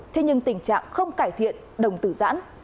thế nhưng tình trạng không cải thiện đồng tử giãn